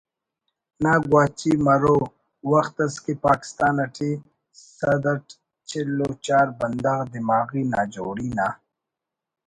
نا گواچی مرو وخت اس کہ پاکستان اٹی سد اٹ چل و چار بندغ دماغی ناجوڑی نا